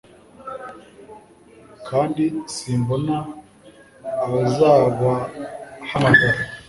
Kandi simbona abazabahamagara